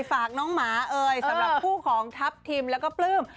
ฝากน้องหมาเอ่ยสำหรับคู่ของทัพทิมแล้วก็ปลื้ม